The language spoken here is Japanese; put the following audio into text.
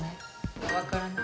分からない。